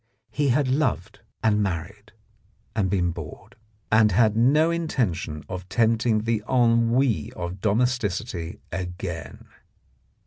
He had loved and married, and been bored, and had no intention of tempting the ennui of domesticity again.